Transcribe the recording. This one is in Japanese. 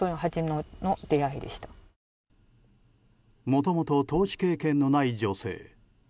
もともと投資経験のない女性。